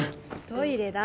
トイレだ